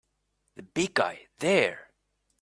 The big guy there!